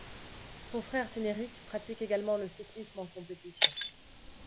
Son frère Cénéric pratique également le cyclisme en compétition.